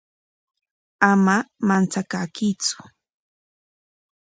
Ama manchakankitsu.